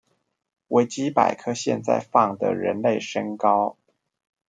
維基百科現在放的人類身高